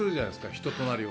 人となりを。